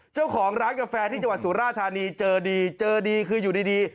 เจ้าของร้านกาแฟที่จังหวัดสุราธานีเจอดีเจอดีคืออยู่ดีดี